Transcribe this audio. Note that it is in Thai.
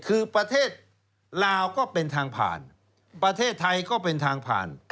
คือประเทศลาวก็เป็นทางผ่านประเทศไทยก็เป็นทางผ่าน